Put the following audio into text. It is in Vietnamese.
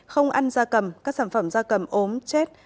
không ăn da cầm các sản phẩm da cầm ốm chết